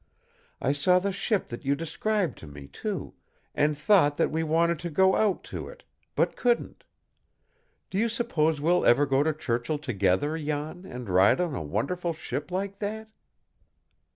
I saw the ship that you described to me, too, and thought that we wanted to go out to it, but couldn't. Do you suppose we'll ever go to Churchill together, Jan, and ride on a wonderful ship like that?"